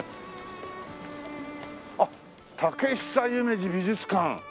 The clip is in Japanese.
あっ「竹久夢二美術館」。